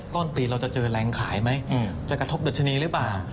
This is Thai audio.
ต้นปีเราจะเจอแรงขายไหมจะกระทบดัชนีหรือเปล่า